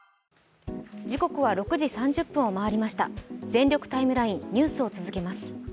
「全力ＴＩＭＥライン」ニュースを続けます。